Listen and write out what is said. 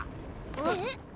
えっ！？